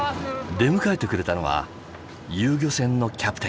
出迎えてくれたのは遊漁船のキャプテン。